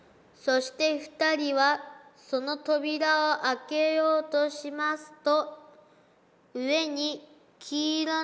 「そして二人はその扉をあけようとしますと」。